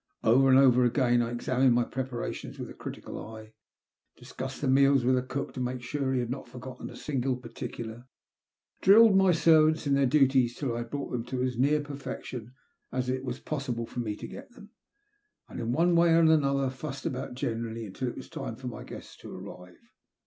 Over and over again I examined my preparations with a critical eye, discussed the meals with the eook to make sure that he had not for* I T£LL inr BTOBT. 98T gotten a single partioolar, drilled my servants in their duties until I had brought them as near perfection as it was possible for me to get them, and in one way and another fussed about generally until it was time for my guests to arrive.